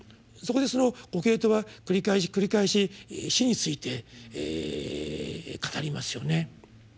そこでコヘレトは繰り返し繰り返し死について語りますよね。